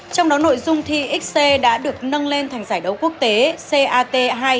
trong đó nội dung thi xc đã được nâng lên thành giải đấu quốc tế cat hai